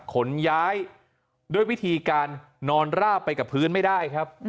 ขนย้ายด้วยวิธีการนอนราบไปกับพื้นไม่ได้ครับ